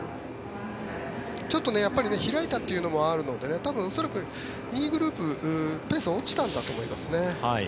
ちょっとやっぱり開いたというのもあるので多分２位グループ、ペースが落ちたんだと思いますね。